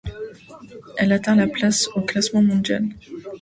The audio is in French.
Elle atteint la place au classement mondial.